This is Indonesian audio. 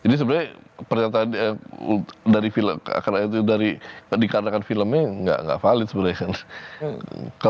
jadi sebenarnya pernyataan dari film karena itu dikarenakan filmnya gak valid sebenarnya kan